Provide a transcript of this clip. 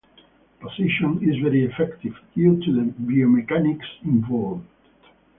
The position is very effective due to the biomechanics involved.